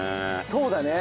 そうだね。